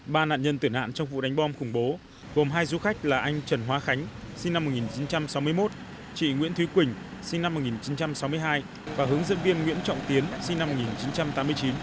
ba nạn nhân tử nạn trong vụ đánh bom khủng bố gồm hai du khách là anh trần hóa khánh sinh năm một nghìn chín trăm sáu mươi một chị nguyễn thúy quỳnh sinh năm một nghìn chín trăm sáu mươi hai và hướng dẫn viên nguyễn trọng tiến sinh năm một nghìn chín trăm tám mươi chín